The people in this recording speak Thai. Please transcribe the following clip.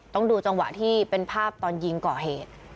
ต้องดูจังหวะที่เป็นภาพตอนยิงก่อเหตุ